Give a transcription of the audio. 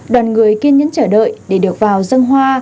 đoàn người kiên nhấn chờ đợi để được vào dâng hoa